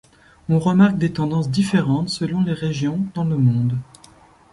On remarque des tendances différentes selon les régions dans le monde.